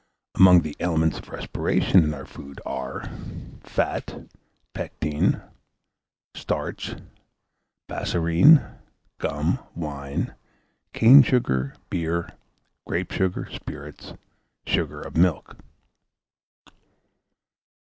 Among the elements of respiration in our food, are Fat. Pectine. Starch. Bassorine. Gum. Wine. Cane sugar. Beer. Grape sugar. Spirits. Sugar of milk.